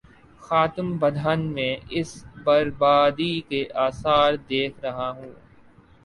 خاکم بدہن، میں اس بر بادی کے آثار دیکھ رہا ہوں۔